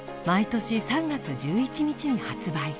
毎年３月１１日に発売。